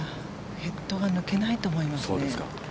ヘッドが抜けないと思いますね。